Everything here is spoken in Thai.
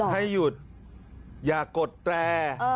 ให้หยุดอย่ากดแตร